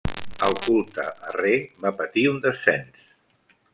El culte a Re va patir un descens.